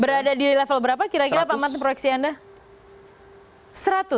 berada di level berapa kira kira pak martin proyeksi anda